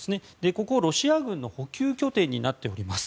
ここ、ロシア軍の補給拠点になっております。